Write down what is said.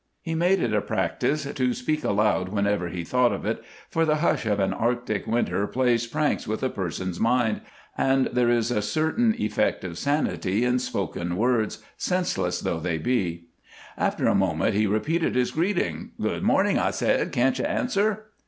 He made it a practice to speak aloud whenever he thought of it, for the hush of an arctic winter plays pranks with a person's mind, and there is a certain effect of sanity in spoken words, senseless though they be. After a moment he repeated his greeting: "Good morning, I said. Can't you answer?"